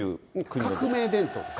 革命伝統。